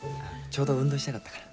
ちょうど運動したかったから。